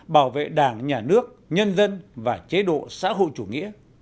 bảo vệ đảng nhà nước nhân dân và chế độ xã hội chủ nghĩa